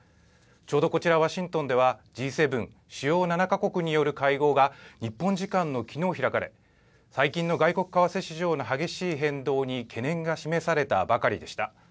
ちょうどこちら、ワシントンではＧ７・主要７か国による会合が、日本時間のきのう開かれ、最近の外国為替市場の激しい変動に懸念が示されたばかりでした。